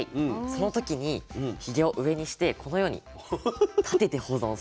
その時にひげを上にしてこのように立てて保存します。